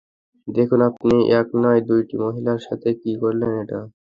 দেখুন আপনি এক নয়, দুইটি মহিলার সাথে কী করলেন এটা?